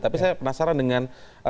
tapi saya penasaran dengan